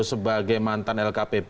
sebagai mantan lkpp